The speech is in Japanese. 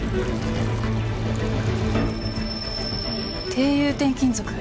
低融点金属。